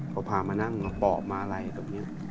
พอพามานั่งเราปอบมาอะไรตรงนี้